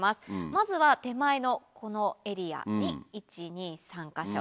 まずは手前のこのエリアに１２３か所。